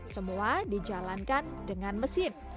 semua dijalankan dengan mesin